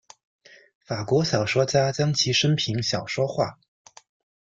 法国小说家将其生平小说化。